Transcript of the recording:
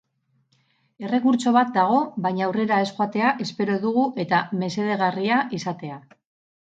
Errekurtso bat dago, baina aurrera ez joatea espero dugu eta mesedegarria izatea.